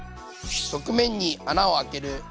側面に穴を開ける。